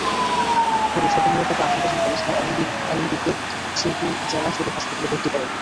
পরে স্বজনেরা তাঁকে আশঙ্কাজনক অবস্থায় আলমগীরকে শেরপুর জেলা সদর হাসপাতালে ভর্তি করেন।